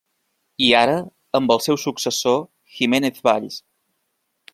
I ara, amb el seu successor, Giménez Valls.